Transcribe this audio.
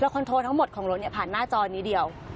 คอนโทรทั้งหมดของรถเนี่ยผ่านหน้าจอนี้เดียว